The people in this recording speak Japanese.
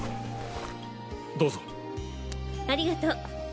どうぞ。ありがと。